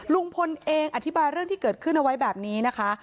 ลุงพลเองอธิบายเรื่องที่เกิดขึ้นเอาไว้แบบนี้นะคะ